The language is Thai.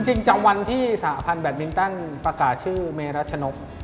จริงจากวันที่สหพาลแบตมิงต้อน์ประกาศชื่อเมรัชนก